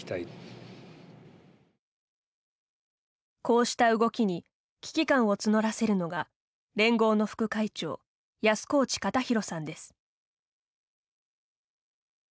こうした動きに危機感を募らせるのが連合の副会長安河内賢弘さんです。